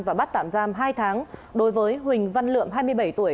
và bắt tạm giam hai tháng đối với huỳnh văn lượm hai mươi bảy tuổi